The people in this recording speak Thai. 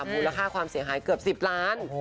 มูลค่าความเสียหายเกือบ๑๐ล้าน